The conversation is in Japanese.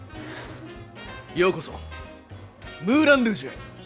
ようこそムーラン・ルージュへ。